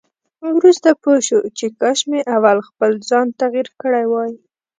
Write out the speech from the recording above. وروسته پوه شو چې کاش مې اول خپل ځان تغيير کړی وای.